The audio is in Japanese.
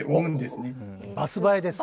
バス映えです。